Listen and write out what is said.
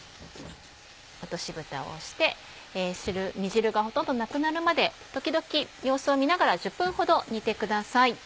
落としぶたをして煮汁がほとんどなくなるまで時々様子を見ながら１０分ほど煮てください。